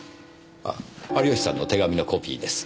ああ有吉さんの手紙のコピーです。